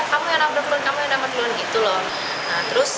kamu yang nabrak mundur kamu yang nabrak mundur